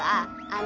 ああ！